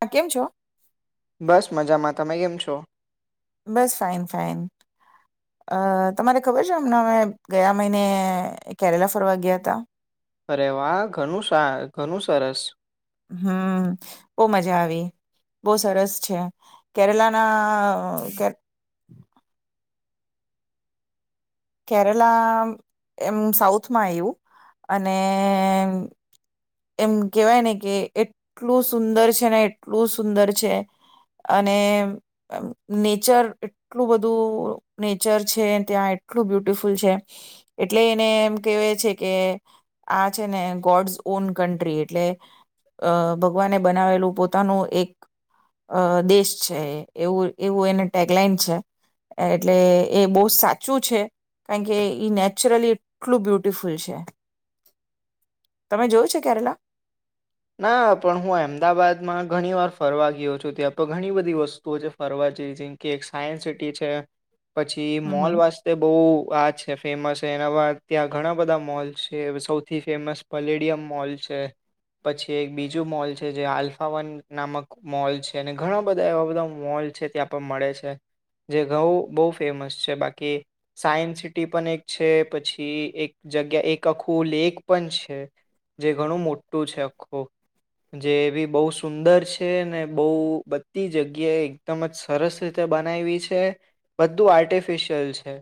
હા. કેમ છો? બસ મજામાં. તમે કેમ છો? બસ. Fine, fine. અ તમારે ખબર છે એમને અમે ગયા મહિને કેરેલા ફરવા ગયા હતા? અરે વાહ ઘણું સા ઘણું સરસ. હમ બહુ મજા આવી બહુ સરસ છે. કેરલાના આ કેરલા એમ સાઉથમાં આવ્યું અને એમ કેવાય ને કે, એટલું સુંદર છે ને એટલું સુંદર છે! અને નેચર એટલું બધું નેચર છે, ત્યાં એટલું બ્યુટિફુલ છે, એટલે એને એમ કેહેવા છે કે આ છે ને ગોડસ ઓન કન્ટ્રી એટલે અ ભગવાને બનાવેલું પોતાનું એક અ દેશ છે, એવું એવું એને ટેગલાઈન છે, એટલે એ બહુ સાચું છે, કારણ કે નેચરલી એટલું બ્યુટિફુલ છે. તમે જોય છે? કેરલા. ના પણ હું અમદાવાદમાં ઘણી વાર ફરવા ગયો છું, ત્યાં પણ ઘણી બધી વસ્તુઓ છે ફરવા જેઈ જેમ કે, એક સાયન્સ સિટી છે, પછી હમ હમ મોલ વાસ્તે બહુ આ છે ફેમસ છે, એના ત્યાં ઘણા બધા મોલ્ છે, સૌથી ફેમસ પલેડિયમ મોલ છે. પછી એક બીજું મોલ છે જે આલ્ફાવન નામક મોલ છે, અને ઘણા બધા એવા બધા મોલ છે, ત્યાં પણ મળે છે. જે ઘઉ બહુ ફેમસ છે બાકી સાયન્સ સિટી પણ એક છે પછી એક જગ્યા એક આખું લેક પણ છે, જે ઘણું મોટું છે. જે એ બી બહુ સુંદર છે, ને બહુ બધી જગ્યાએ એકદમ જ સરસ રીતે બનાવી છે, બધું આર્ટિફિશિયલ છે.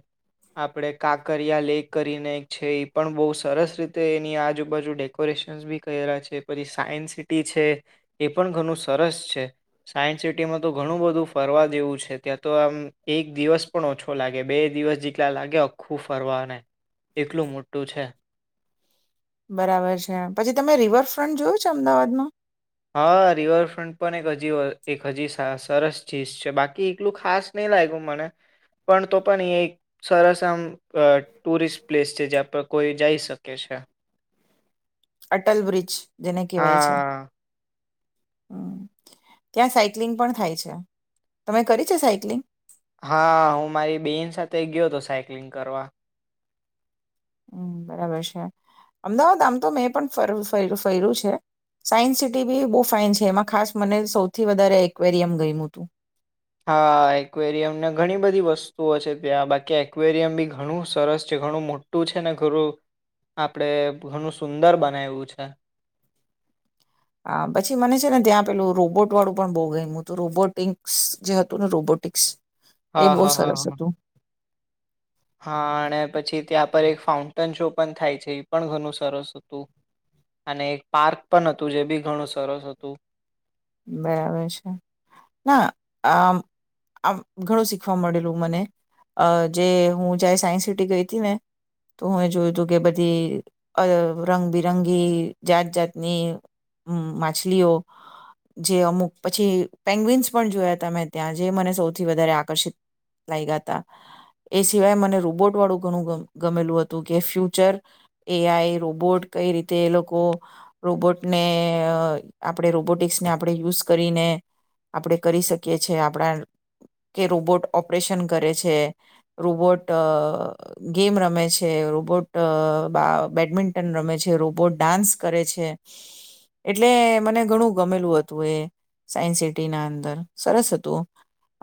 આપણે કાકરિયા લેક કરીને એક છે એ પણ બહુ સરસ રીતે એની આજુબાજુ ડેકોરેશન બી ક્યરા છે. પછી સાયન્સ સિટી છે, એ પણ ઘણું સરસ છે સાયન્સ સિટીમાં તો ઘણું બધું ફરવા જેવું છે, ત્યાં તો આમ એક દિવસ પણ ઓછો લાગે, બે દિવસ જેટલા લાગે આખું ફરવાને એટલું મોટું છે. બરાબર છે. પછી તમે રિવરફ્રન્ટ જોયું છે અમદાવાદમાં? હા રિવરફ્રન્ટ પણ એક હજી એક હજી સરસ ચીજ છે બાકી એલું ખાસ નહી લાગ્યું મને પણ તો પણ એ એક સરસ આમ અ ટુરિસ્ટ પ્લેસ છે જ્યાં પર કોઈ જઈ શકે કે છે અટલ બ્રિજ જેને કહેવાય છે હા હમ ત્યાં સાયક્લિંગ પણ થાય છે તમે કરી છે સાયક્લિંગ હા હું મારી બેહેન સાથે ગયો હતો સાયક્લિંગ કરવા હમ બરાબર છે અમદાવાદ આમ તો મેં પણ ફર્યું છે સાયન્સ સિટી બી બહુ ફાઇન છે એમાં ખાસ મને સૌથી વધારે એકવેરિયમ ગયમ હતું હા એકવેરિયમ ને ઘણી બધી વસ્તુઓ છે ત્યાં બાકી એકવેરિયમ બી ઘણું સરસ છે ઘણું મોટું છે ને ઘરું આપણે ઘણું સુંદર બનાવ્યું છે હ પછી મને છે ને ત્યાં પેલું રોબોટ વાળું પણ બહુ ગયું તો રોબોટિક્સ જે હતું ને રોબોટ્સ એ હા બહુ હા હા સરસ હા. હતું હા અને પછી ત્યાં પર એક ફાઉન્ટન શો પણ થાય છે એ પણ ઘણું સરસ હતું અને એક પાર્ક પણ હતું જે બી ઘણું સરસ હતું બરાબર છે ના આ મઆમ ઘણું શીખવા મળેલું મને અ જે હું જાય સાયન્સ સિટી ગઈ હતી ને તો હું જોયું તું કે બધીઅ રંગબિરંગી જાત જાતની માછલીઓ જે અમુક પછી પેગ્વીન્સ પણ જોયા હતા મેં ત્યાં જે મને સૌથી વધારે આકર્ષિત લાગયા હતા એ સિવાય મને રોબોટ વાળું ઘણું ગમે ગમેલું હતું કે ફ્યુચર એ આઈ રોબોટ કઈ રીતે એ લોકો રોબોટને આપણે રોબોટિક્સને [unintelligible] આપણે યુઝ કરીને આપણે કરી શકીએ છે આપણા કે રોબોટ ઓપરેશન કરે છે રોબોટ ગેમ રમે છે રોબોટ બેડમિન્ટન રમે છે રોબોટ ડાન્સ કરે છે એટલે મને ઘણું ગમેલું હતું એ સાયન્સ સિટી ના અંદર સરસ હતું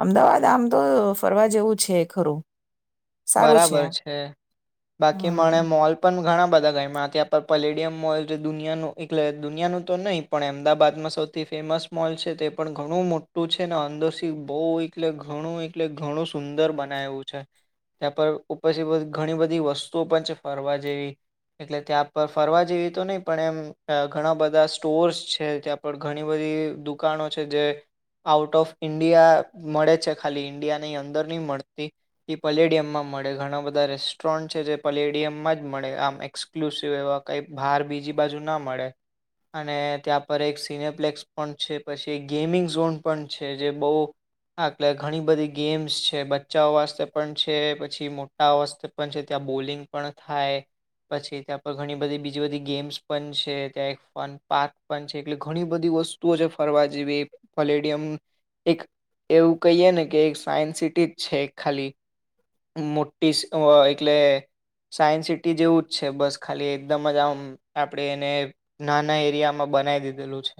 અમદાવાદ આમ તો ફરવા જેવું છે ખરું બરાબર છે બાકી હમ મને મોલ પણ ઘણા બધા ગયામાં ત્યાં પલેડિયમ મોલ જે દુનિયાનું એટલે દુનિયાનું તો નહી પણ અમદાવાદમાં સૌથી ફેમસ મોલ છે તે પણ ઘણું મોટું છે ને અંદરશ બહલે ઘણું એલે ઘણું સુંદર બનાયું છે ત્યાં પર ઉપછી ઘણી બધી વસ્તુઓ પણ છે ફરવા જેવી એટલે ત્યાં પર ફરવા જેવી તો નહી પણ એમ ઘણા બધા સ્ટોર્સ છે ત્યાં પર ઘણી બધી દુકાનો છે જે આઉટ ઓફ ઈન્ડિયા મળે છે ખાલી ઈન્ડિયાની અંદર નહી મળતી પ્લેડિયમમાં મળે ઘણા બધા રેસ્ટોરન્ટ છે જે પ્લેડિયમમાં જ મળે આમ એક્સક્લુસિવ એવા કંઈ બહાર બીજી બાજુ ના મળે અને ત્યાં પર એક સિનેપ્લેક્સ પણ છે પછી એક ગેમિંગ ઝોન પણ છે જે બહુ આટલે ઘણી બધી ગેમ્સ છે બચ્ચાઓ વાસ્તે પણ છે પછી મોટા વસ્ પણ છે ત્યાં બોલિંગ પણ થાય પછી ત્યાં ઘણી બધી બીજી બધી ગેમ્સ પણ છે ત્યાં એક ફન પાર્ક પણ છે એટલે ઘણી બધી વસ્તુઓ જે ફરવા જેવી પોલેડિયમ એક એવું કહીએ ને કે એક સાયન્સ સિ ટી જ છે ખાલી મોટી એટલે સાયન્સ સિટી જેવું જ છે બસ ખાલી એકદમ જ આમ આપણે એને નાના એરિયામાં બનાવી દીધેલું છે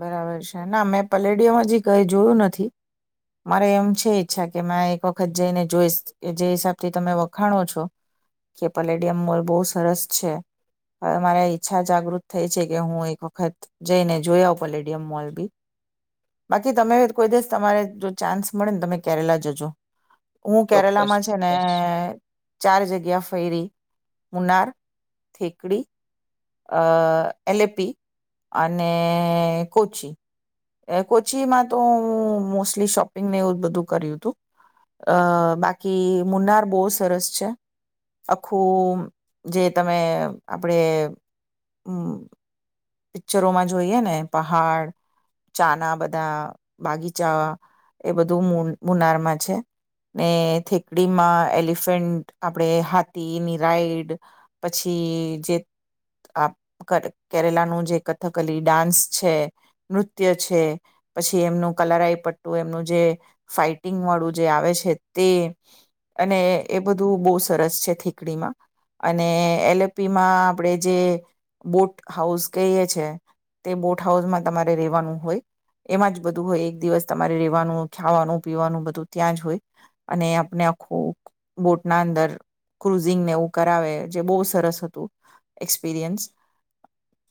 બરાબર છે ના મેં પલેડિયમ હજી કઈ જોયું નથી મારે એમ છે ઈચ્છા કે મે એક વખત જઈને જોઈ કે જે હિસાબથી તમે વખાણો છો કે પલેડિયમ મોલ બહુ સરસ છે હવે મારે ઈચ્છા જાગૃત થઈ છે કે હું એક વખત જઈને જોયા આવ પલેડિયમ મોલ બી બાકી તમે કોઈ દિવસ તમારે જો ચાન્સ મળે ને તમે કેરેલા જજો હું ચોક્કસ કેરલામાં છે ને ચોક્કસ ચાર જગ્યા ફયરી મુનાર, થેકડી, એલેપી અને કોચી કોચીમાં તો હું મોસ્ટલી શોપિંગને એવું જ બધું કર્યું હતું બાકી મુનાર બહુ સરસ છે આખું જે તમે આપણે પિક્ચરોમાં જોઈએ ને પહાડ ચાના બધા બાગીચા એ બધું મુનારમાં છે ને થેકડીમાં એલિફન્ટ આપણેે હાથીની રાઈડ પછી જે કેરેલાના જે કથકલી ડાન્સ છે નૃત્ય છે પછી એમનું કલારય પટ્ટું એમનું જે ફાઈટિંગ વાળું જે આવે છે તે અને એ બધું બહુ સરસ છે થીકડીમાં અને એલપીમાં આપણે જે બોટ હાઉસ કહી છે તે બોટ હાઉસમાં તમારે રેવાનું હોય એમાં જ બધું હોય એક દિવસ તમારે રવાનું ખાવાનું પીવાનું બધું ત્યાં જ હોય અને આપણે આખું બોટના અંદર ક્રુઝિંગને એવું કરાવે જે બહુ સરસ હતું એપિરિયન્સ.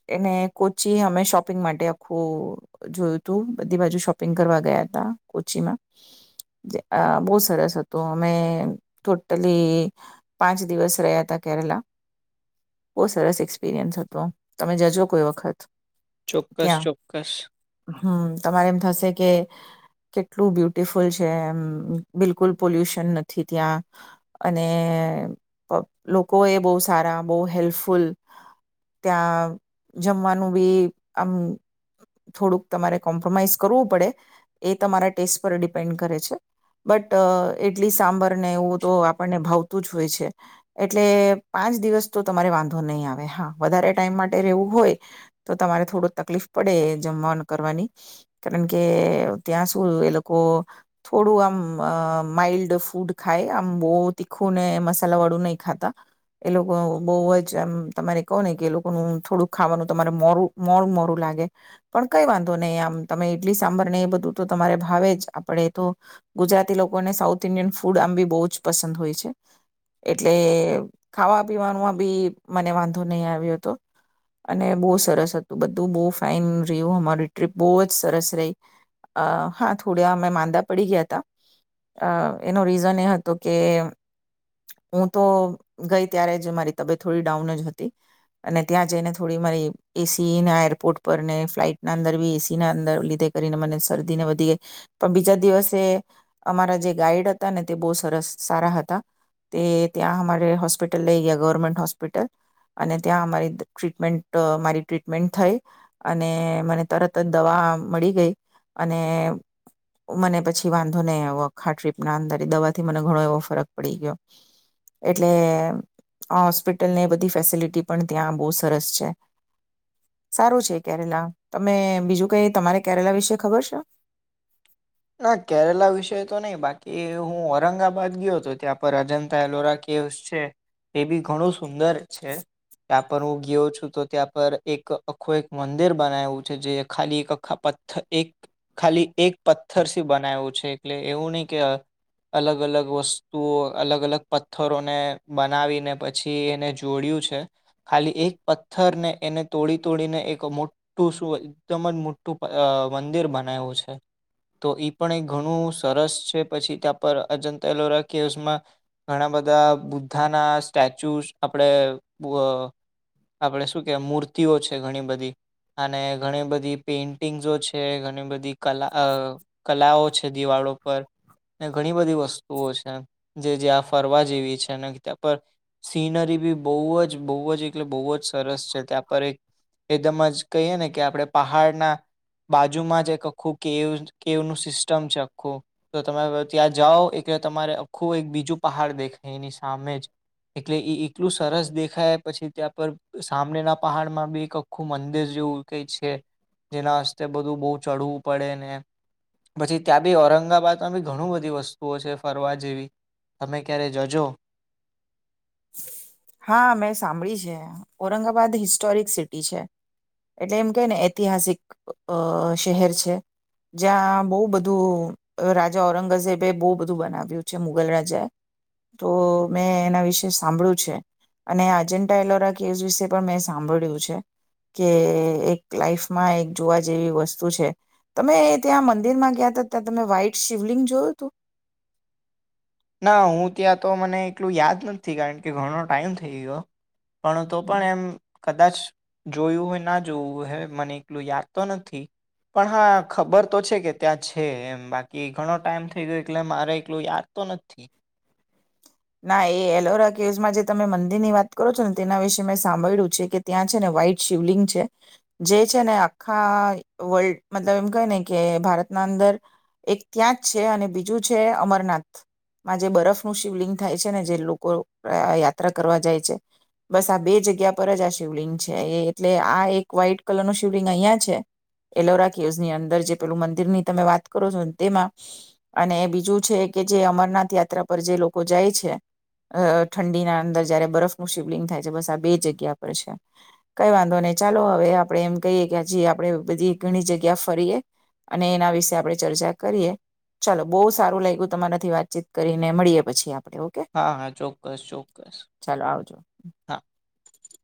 એને કોચી અમે શોપિંગ માટે આખું જોયું હતું બધી બાજુ શોપિંગ કરવા ગયા હતા કોચીમાં બહુ સરસ હતું અમે ટોટલી પાંચ દિવસ રહ્યા હતા કેરેલા બહુ સરસ એક્સપિરિયન્સ હતો. તમે જજો કોઈ વખત ચોક્કસ ત્યાં ચોક્કસ. હમ તમારે એમ થશે કે કેટલું બ્યુટિફુલ છે એમ બિલકુલ પોલ્યુશન નથી ત્યાં અને લોકો એ બહુ સારા બહુ હેલ્પફુલ ત્યાં જમવાનું બી આમ થોડુંક તમારે કોમ્પ્રોમાઈઝ કરવું પડે એ તમારા ટેસ્ટ પર ડિપેન્ડ કરે છે બટ એટલી સાંબર ને એવું તો આપણને ભાવતું જ હોય છે એટલે પાંચ દિવસ તો તમારે વાંધો નહીં આવે હા વધારે ટાઈમ માટે વું હોય તો તમારે થોડું તકલીફ પડે જમવાનું કરવાની કારણ કે ત્યાં સુું એ લોકો થોડું આમ માઈલ્ડ ફૂડ ખાય આમ બહુ તીખું ને મસાલા વાળું નહીં ખાતા એ લોકો બહુ જ આમ તમારે કહો ને કે એ લોકોનું થોડુંક ખાવાનું તમારે મોરું મોરું મોરું લાગે પણ કઈ વાંધો નહીં આમ તમે ઈડલી સાંભર ને એ બધું તો તમારે ભાવે જ આપણે તો ગુજરાતી લોકોને સાઉથ ઈન્ડિયન ફૂડ આમ બી બહુ જ પસંદ હોય છે એટલે ખાવા પીવાનું બી મને વાંધો નહીં આવ્યો હતો. અને બહુ સરસ હતું બધું બહુ ફાાઈન રહ્યું અમારી ટ્રીપ બહુ જ સરસ રહી હા થોડ અમે માંદા પડી ગયા હતા એનો રીઝન એ હતો કે હું તો ગઈ ત્યારે જ મારી તબિયત થોડી ડાઉન જ હતી. અને ત્યાં જઈને થોડી મારી એસી ના એરપોર્ટ પર ને ફ્લાઈટના અંદર બી એસી ના અંદર લીધે કરીને મને શરદીને વધી ગઈ [unintelligible] બીજા દિવસે અમારા જે ગાઈડ હતા ને તે બહુ સરસ સારા હતા તે ત્યાં અમારે હોસ્પિટલ લઈ ગયા ગવર્મેન્ટ હોસ્પિટલ અને ત્યાં મારી ટ્રીટમેન્ટ મારી ટ્રીટમેન્ટ થઈ અને મને તરત જ દવા મળી ગઈ અને મને પછી વાંધો નહીં આવોખા ટ્રીપના અંદર એ દવાથી મને ઘણો એવો ફરક પડી ગયો એટલે હોસ્પિટલને બધી ફેસિલિટી પણ ત્યાં બહુ સરસ છે સારું છે કેરેલા તમે બીજું કઈ તમારે કેરેલા વિશે ખબર છે. ના કેરલા વિષય તો નહી બાકી હું ઔરંગાબાદ ગયો હતો ત્યાં પર અજંતા એલોરા કેવસ છે એ બી ઘણું સુંદર છે ત્યાં પર હું ગયો છું તો ત્યાં પર એક આખું એક મંદિર બનાવું છે જે ખાલી એક પથર એક ખાલી એક પથ્થર બનાવ્યું છે એટલે એવું નહીિ કે અલગ અલગ વસ્તુઓ અલગ અલગ પથ્થરોને બનાવીને પછી એને જોડ્યું છે ખાલી એક પથ્થર ને એને તોડી તોડીને એક મોઠું શું એકદમ જ મોઠું મંદિર બનાયું છે. તો પણ એક ઘણું સરસ છે પછી ત્યાં પર અજતા એલોરા કેવસમાં ઘણા બધા બુ્ધાના સ્ટેચ્યુસ આપણે આપણે શું કેવા મૂર્તિઓ છે ઘણી બધી અને ઘણી બધી પેઇન્ટિંગ્સો છે ઘણી બધી કલા કલાઓ છે દિવાળો પર ને ઘણી બધી વસ્તુઓ છે જે જ્યાં ફરવા જેવી છે ને ત્યાં પર સીનરી બી બહુ જ બહુ જ એટલે બહુ જ સરસ છે ત્યાં પર એક એકદમ જ કહીએ ને કે આપણે પહાડના બાજુમાં જ એક આખું કેવ કે એનું સિસ્ટમ છે આખું તો તમે ત્યાં જાઓ એટલે તમારે આખું એક બીજું પહાડ દેખાય એની સામે જ એટલે એ એટલું સરસ દેખાય પછી ત્યાં પર સામનેના પહાડમાં બી એક આખું મંદિર જેવું કઈ છે જેના હસ્તે બધું બહુ ચડવું પડે ને પછી ત્યાં બી ઔરંગાબાદમાં બી ઘણું બધી વસ્તુઓ છે ફરવા જેવી તમે ક્યારે જજો. હા મેં સાંભળી છે ઔરંગાબાદ હિસ્ટોરિક સિટી છે એટલે એમ કે ને ઐતિહાસિક અ શહેર છે જ્યાં બહ બધું રાજા ઔરંગઝેબે બહુ બધું બનાવ્યું છે મુગલ રાજાએ તો મેં એના વિશે સાંભળ્યું છે અને આજન્ટા એલોરા કેવસ વિશે પણ મેં સાંભળ્યું છે કે એક લાઈફમાં એક જોવા જેવી વસ્તુ છે તમે ત્યાં મંદિરમાં ગયા હતા ત્યાં તમે વ્હાઈટ શિવલિંગ જોયું હતું. ના હું ત્યાં તો મને એટલું યાદ નથી કારણ કે ઘણો ટાઈમ થઈ ગયો. પણ તો પણ એમ કદાચ જોયું હોય ના જોવું હોય હ મને એકલું યાદ તો નથી પણ હા ખબર તો છે કે ત્યાં છે એમ બાકી ઘણો ટાઈમ થઈ ગયો એટલે મારે એકલું યાદ તો નથી. [unintelligible] ના એ એલોરા કેવસમાં જે તમે મંદિર ની વાત કરો છો ને તેના વિશે મેં સાંભળ્યું છે કે ત્યાં છે ને વ્હાઈટ શિવલિંગ છે જે છે ને આખા વર્લ્ડ મતલબ એમ કહે ને કે ભારતના અંદર એક ત્યાં જ છે અને બીજું છે અમરનાથમાં જે બરફનું શિવલિંગ થાય છે ને જે લોકો યાત્રા કરવા જાય છે બસ આ બે જગ્યા પર જ આ શિવલિંગ છે એ એટલે આ એક વ્હાઈટ કલર નું શિવલિંગ અહિયાં છે એલોરા કેવસ ની અંદર જે પેલું મંદિર ની તમે વાત કરો છો તેમાં અને બીજું છે કે જે અમરનાથ યાત્રા પર જે લોકો જાય છે ઠંડીના અંદર જયારે બરફનુંું શિવલિંગ થાય છે બસ આ બે જગ્યા પર છે કઈ વાંધો નહી ચાલો હવે આપડે એમ કહીએ કે હજી આપડે બધી ઘણી જગ્યા ફરીએ અને એના વિશે આપણે ચર્ચા કરીએ ચાલો બહુ સારું લાગ્યું તમારાથી વાતચીત કરીને મળીએ. પછી આપ હા હા ચોક્કસ ચોક્કસ ચાલો આવજો હા. [unintelligible]